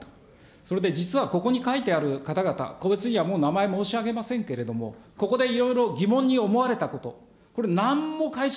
それで実はここに書いてある方々、個別にはもう名前申し上げませんけれども、ここでいろいろ疑問に思われたこと、これ、なんも解消